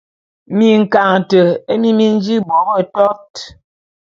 Minkaňete mi mi nji bo betot.